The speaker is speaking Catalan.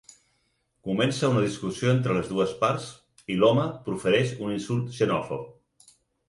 Comença una discussió entre les dues parts i l’home profereix un insult xenòfob.